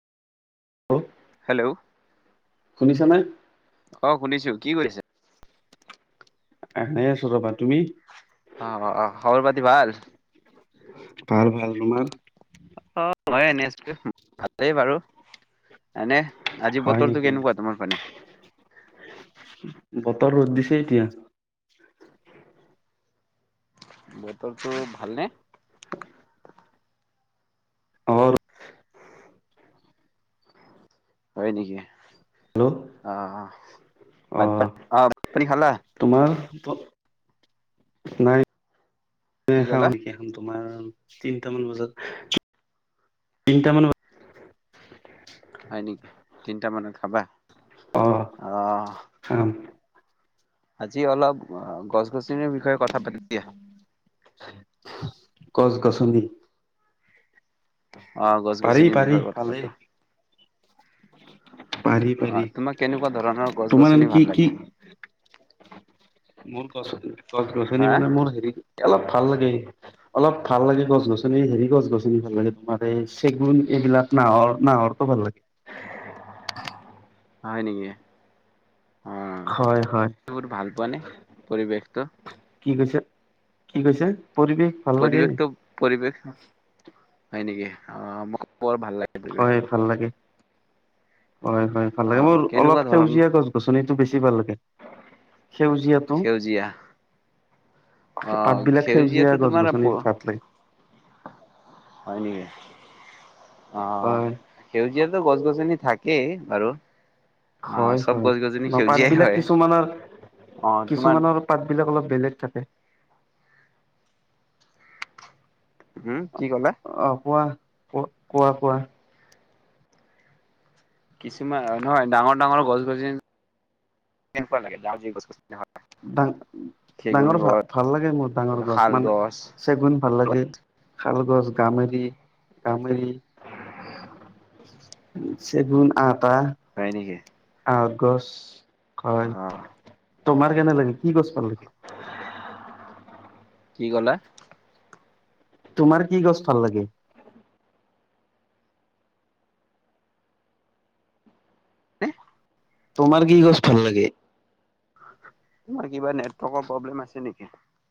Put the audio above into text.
Hello hello শুনিছানে? আহ', শুনিছো। কি কৰিছে? এনে আছো ৰবা, তুমি? অ', অ', অ', খবৰ পাতি ভাল? ভাল ভাল তোমাৰ। অ ময় এনে আছো ভালেই বাৰু এনে আজি হয় বতৰটো নেকি? কেনেকুৱা তোমাৰ মানে। বতৰ ৰ'দ দিছে এতিয়া। বতৰটো ভাল নে। [unintelligible] [unintelligible] হয় নেকি। হেল্ল' অ বাট অ' অহ ভাত পানী খালা। তোমাৰ নাই, এ কি খাও ক'লা? নেকি এখন তোমাৰ তিনটামান বজাত তিনটামানত, হয় নেকি তিনটা মানত খাবা। অ হা, আজি অলপ, অ গছ গছনিৰ বিষয়ে কথা পাতিম। দিয়া গছ-গছনি। অ গছ গছনিৰ পাৰি বিষয়ে কথা ভালেই পাতো। পাৰি অ পাৰি তোমাক কেনেকুৱা ধৰণৰ তোমাৰ এনে গছ-গছনি কি ভাল কি লাগে? মোৰ কচ গছ গছনি হা মানে মোৰ হেৰি অলপ ভাল লাগে অলপ ভাল লাগে গছ গছনি হেৰি গছ গছনি ভাল লাগে তোমাৰ এই চেগুন এইবিলাক নাহৰ নাহৰটো ভাল লাগে। হয় নেকি? অহ হয় হয় তুমি ভাল পোৱা নে পৰিৱেশটো? কি কৈছে কি কৈছে? পৰিৱেশ ভাল লাগে। পৰিৱেশটো পৰিৱেশ হয় নেকি অ। হয় ভাল লাগে হয় হয় ভাল লাগে আহ মোৰ কেনেকুৱা অলপ ধৰণ সেউজীয়া গছ গছনিটো বেছি ভাল লাগে। সেউজীয়াতো। সেউজীয়া আহ পাতবিলাক সেউজীয়া সেউজীয়াটো গছ তোমাৰ গছনি পাত লাই। উ। অ সেউজীয় গছ গছনি থাকে বাৰু। আহ হয় চব হয় গছ গছনি ন পাত সেউজীয়াই বিলাক হয় কিছুমানৰ অ তোমাৰ কিছুমানৰ পাত বিলাক অলপ বেলেগ থাকে। হম। কি ক'লা অ', কোৱা। ক-কোৱা কোৱা। কিছুমান নহয়, ডাঙৰ ডাঙৰ গছ গছনি, তেনেকুৱা লাগে [unintelligible] চেগুন ডা-ডাঙৰ ভাল, গছ ভাল লাগে মোৰ ডাঙৰ গছ, মানে চেগুন ভাল লাগে। শাল গছ, গামেৰি, গামেৰি, চেগুন আঠ হয় নেকি [unintelligible] গছ। অ হয়। তোমাৰ? কেনে লাগে, কি গছ ভাল লাগে? কি ক'লা? তোমাৰ কি গছ ভাল লাগে? হে? তোমাৰ কি গছ ভাল লাগে? তোমাৰ কিবা নেটৱৰ্কৰ প্ৰব্লেম আছে নেকি?